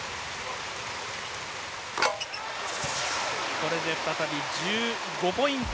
これで再び１５ポイント